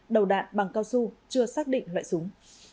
đầu đạn bằng cao su chưa xác định loại súng